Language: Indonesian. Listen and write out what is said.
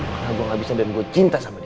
karena gue gak bisa dan gue cinta sama dia